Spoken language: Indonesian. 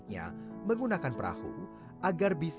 banyak akibat kargap secara zhao guideline